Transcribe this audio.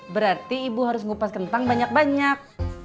berarti ibu harus ngupas kentang banyak banyak